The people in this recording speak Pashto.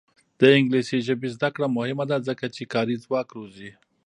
د انګلیسي ژبې زده کړه مهمه ده ځکه چې کاري ځواک روزي.